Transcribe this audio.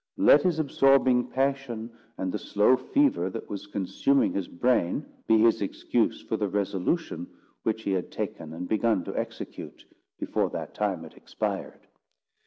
Let his absorbing passion, and the slow fever that was consuming his brain, be his excuse for the resolution which he had taken and begun to execute, before that time had expired.